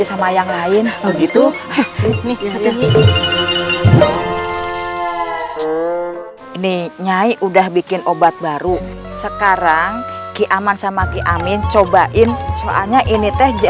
oh any nyi udah bikin obat baru sekarang kiaman sama kiamin cobain soalnya ini teh jamwu